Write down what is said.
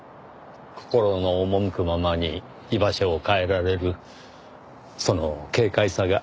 心の赴くままに居場所を変えられるその軽快さが。